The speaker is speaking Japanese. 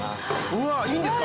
うわいいんですか。